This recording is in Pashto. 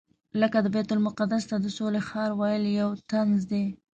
لکه د بیت المقدس ته د سولې ښار ویل یو طنز دی.